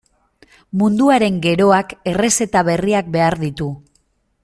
Munduaren geroak errezeta berriak behar ditu.